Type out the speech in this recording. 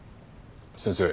先生